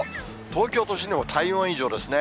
東京都心でも体温以上ですね。